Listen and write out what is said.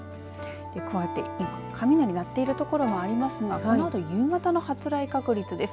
加えて今、雷鳴っているところもありますがこのあと夕方の発雷確率です。